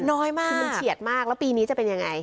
น้อยมากคือมันเฉียดมากแล้วปีนี้จะเป็นยังไง